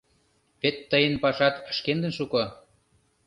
Вет тыйын пашат шкендын шуко.